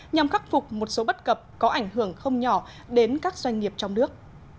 nhằm khắc phục một số bất cập có ảnh hưởng không nhỏ đến các doanh nghiệp trong nước